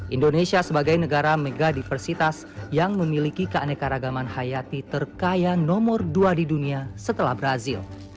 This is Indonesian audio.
indonesia sebagai negara mega diversitas yang memiliki keanekaragaman hayati terkaya nomor dua di dunia setelah brazil